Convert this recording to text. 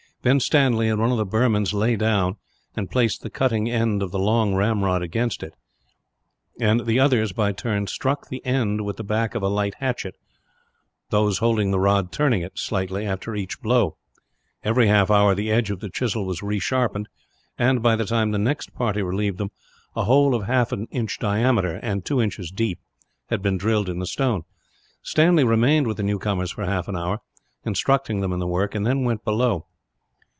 Then Stanley and one of the Burmans lay down, and placed the cutting end of the long ramrod against it; and the others, by turns, struck the end with the back of a light hatchet, those holding the rod turning it, slightly, after each blow. Every half hour the edge of the chisel was resharpened and, by the time the next party relieved them, a hole of half an inch in diameter, and two inches deep, had been drilled in the stone. Stanley remained with the newcomers for half an hour, instructing them in the work, and then went below.